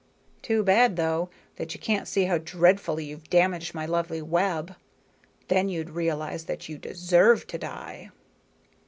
Too bad, though, that you can't see how dreadfully you've damaged my lovely web. Then you'd realize that you deserve to die."